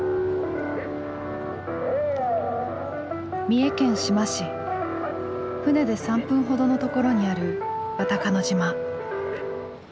三重県志摩市船で３分ほどのところにある渡鹿野島。